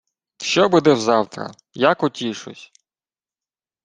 — Що буде взавтра? Як утішусь?